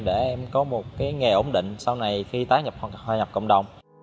để em có một nghề ổn định sau này khi tái hòa nhập cộng đồng